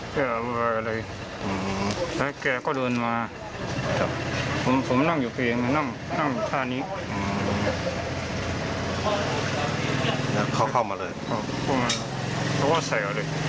เพราะว่าใส่อะไร